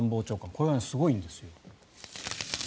これはすごいんですよ。